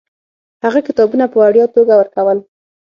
هغه کتابونه په وړیا توګه ورکول.